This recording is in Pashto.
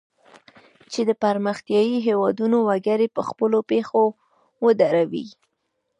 چې د پرمختیایي هیوادونو وګړي په خپلو پښو ودروي.